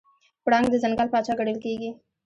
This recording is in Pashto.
پړانګ د ځنګل پاچا ګڼل کېږي.